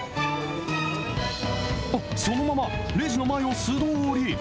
あっ、そのままレジの前を素通り。